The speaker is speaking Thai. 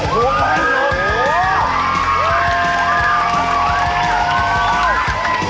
ว้ายว้ายว้าย